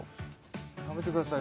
食べてください